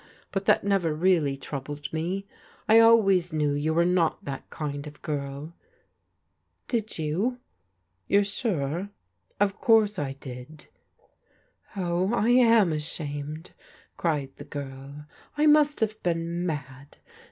But that never really troubled me. I always knew you were not that kind of " Did ^ ou? You're sure?* •• Of course I did. *' Oh. I am ashamedl cried die girL " I nrast have been mad.